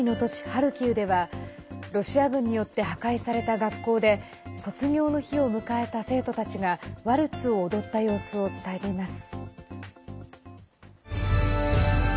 ハルキウではロシア軍によって破壊された学校で卒業の日を迎えた生徒たちがワルツを踊った様子を伝えています。